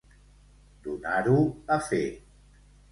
Donar-ho a fer.